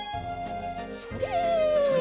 それ。